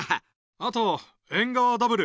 あとエンガワダブル。